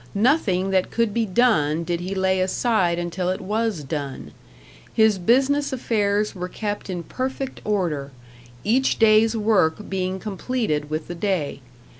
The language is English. Nothing that could be done did he lay aside until it was done; his business affairs were kept in perfect order, each day's work being completed with the day.